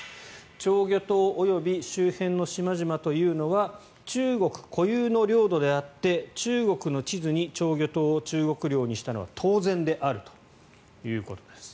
釣魚島及び周辺の島々というのは中国固有の領土であって中国の地図に釣魚島を中国領にしたのは当然であるということです。